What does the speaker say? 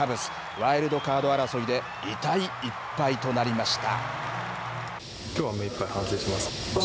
ワイルドカード争いで、痛い１敗となりました。